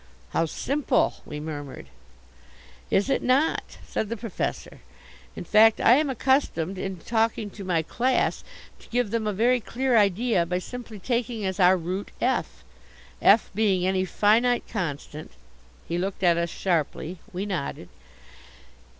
"How simple," we murmured. "Is it not," said the Professor. "In fact, I am accustomed, in talking to my class, to give them a very clear idea, by simply taking as our root F F being any finite constant " He looked at us sharply. We nodded.